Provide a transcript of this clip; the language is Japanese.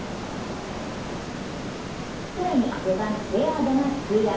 更に４番・レアードがツーラン。